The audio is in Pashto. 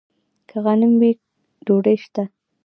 که غنم وي، ډوډۍ شته.